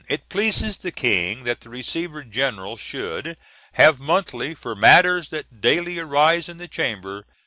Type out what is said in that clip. It pleases the King that the receiver general should have monthly for matters that daily arise in the chamber